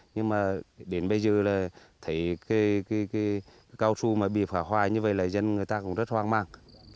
nhưng mà đến bây giờ là thấy cái cao su mà bị phá hoại như vậy là dân người ta cũng rất hoang mang